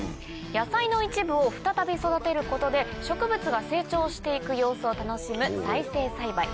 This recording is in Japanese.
野菜の一部を再び育てることで植物が成長して行く様子を楽しむ再生栽培。